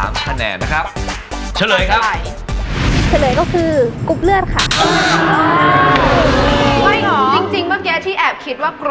บัตร